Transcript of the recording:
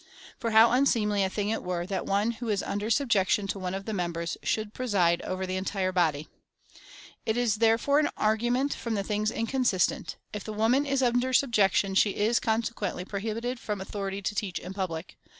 For how unseemly a thing it were, that one who is under subjection to one of the members, should preside^ over the entire body ! It is therefore an argument from things inconsistent — If the woman is under subjection, she is, consequently, prohibited from authority to teach in public.